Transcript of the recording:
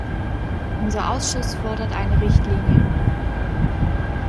Unser Ausschuss fordert eine Richtlinie.